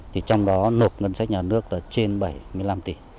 thì trong đó nộp ngân sách nhà nước là trên bảy mươi năm tỷ